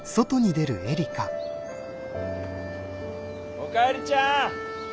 おかえりちゃん！